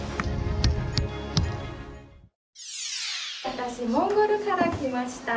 私、モンゴルから来ました。